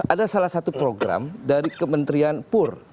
ada salah satu program dari kementerian pur